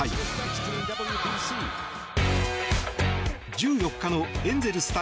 １４日のエンゼルス対